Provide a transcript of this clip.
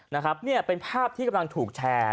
นะครับเนี่ยเป็นภาพที่กำลังถูกแชร์